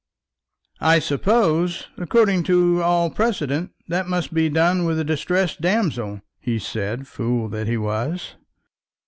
"I suppose, according to all precedent, that must be done with the distressed damsel," he said, fool that he was.